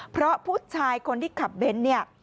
เพราะผู้ชายคนที่ขับเบนท์เนี่ย